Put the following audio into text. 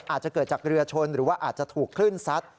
อาจจะเกิดจากเรือชนหรือว่าอาจจะถูกคลื่นซัด